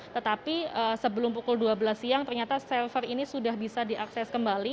tetapi sebelum pukul dua belas siang ternyata server ini sudah bisa diakses kembali